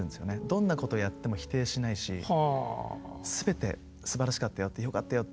どんなことをやっても否定しないしすべてすばらしかったよよかったよ